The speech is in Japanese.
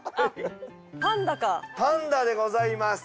パンダでございます。